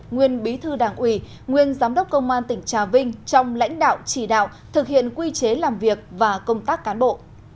nguyên bí thư đảng ủy nguyên giám đốc công an tỉnh trà vinh trong lãnh đạo chỉ đạo thực hiện quy chế làm việc và công tác cán bộ